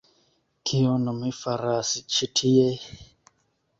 Kion mi faras ĉi tie?